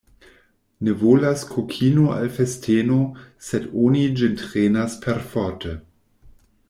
Ne volas kokino al festeno, sed oni ĝin trenas perforte.